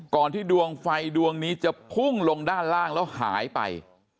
ที่ดวงไฟดวงนี้จะพุ่งลงด้านล่างแล้วหายไป